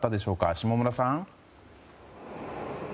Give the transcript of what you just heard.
下村さん。